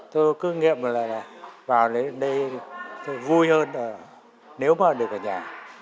tôi cứ nghiệm là là vào đến đây thì tôi vui hơn nếu mà được ở nhà